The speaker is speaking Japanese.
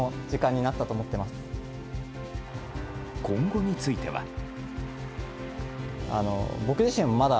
今後については。